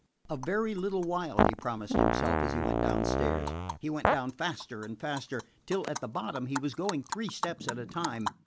A very little while, he promised himself, as he went down stairs. He went down faster and faster, till at the bottom he was going three steps at a time.